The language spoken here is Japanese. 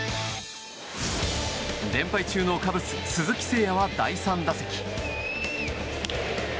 連敗中のカブス鈴木誠也は第３打席。